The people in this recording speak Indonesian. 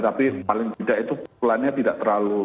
tapi paling tidak itu pukulannya tidak terlalu